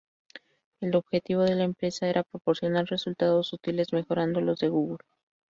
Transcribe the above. El objetivo de la empresa era proporcionar resultados útiles mejorando los de Google.